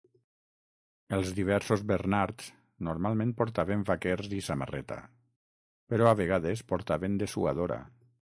Els diversos Bernards normalment portaven vaquers i samarreta, però a vegades portaven dessuadora.